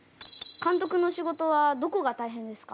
監督の仕事はどこが大変ですか？